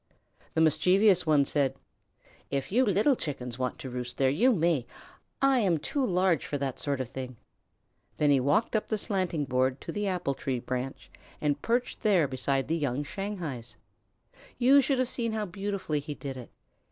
The mischievous one said: "If you little Chickens want to roost there you may. I am too large for that sort of thing." Then he walked up the slanting board to the apple tree branch and perched there beside the young Shanghais. You should have seen how beautifully he did it.